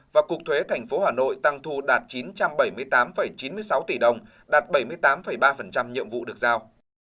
và cục thuế tp hà nội tăng thu đạt chín trăm bảy mươi tám chín mươi sáu tỷ đồng đạt bảy mươi tám ba nhiệm vụ được giao